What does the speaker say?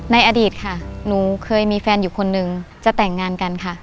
อดีตค่ะหนูเคยมีแฟนอยู่คนนึงจะแต่งงานกันค่ะ